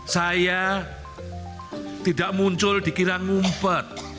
saya tidak muncul dikira ngumpet